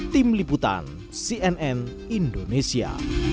tim liputan cnn indonesia